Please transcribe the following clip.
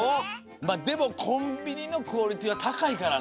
まあでもコンビニのクオリティーはたかいからね。